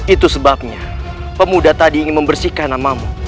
itu sebabnya pemuda tadi ingin membersihkan namamu